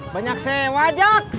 banyak sewa ajak